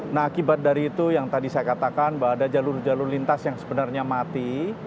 nah akibat dari itu yang tadi saya katakan bahwa ada jalur jalur lintas yang sebenarnya mati